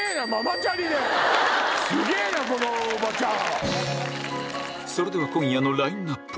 すげぇなこのおばちゃん！